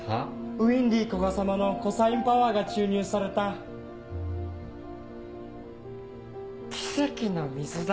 ウィンディー古賀様のコサインパワーが注入された奇跡の水だ。